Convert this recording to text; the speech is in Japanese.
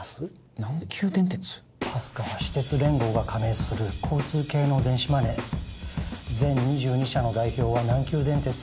ＰＡＳＣＡは私鉄連合が加盟する交通系の電子マネー全２２社の代表は南急電鉄